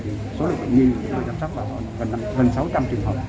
thì số lượng bệnh nhân được chăm sóc vào gần sáu trăm linh trường hợp